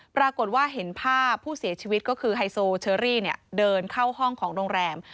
ปรากฏว่าเห็นภาพผู้เสียชีวิตก็คือไฮโซเชอรี่เดินเข้าห้องของโรงแรม